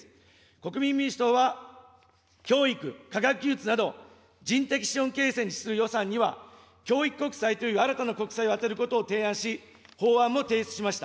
国民民主党は、教育、科学技術など、人的資本形成に資する予算には教育国債という新たな国債を充てることを提案し、法案も提出しました。